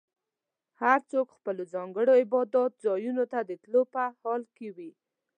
هر څوک خپلو ځانګړو عبادت ځایونو ته د تلو په حال کې وي.